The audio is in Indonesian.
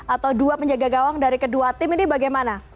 atau dua penjaga gawang dari kedua tim ini bagaimana